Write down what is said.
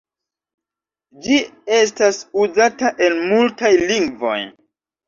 Ĝi estas uzata en multaj lingvoj.